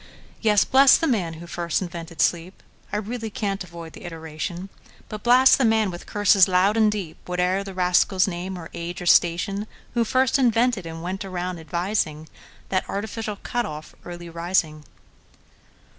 Yes; bless the man who first invented sleep(I really can't avoid the iteration),But blast the man, with curses loud and deep, Whate'er the rascal's name, or age, or station, Who first invented, and went round advising, That artificial cut off, Early Rising!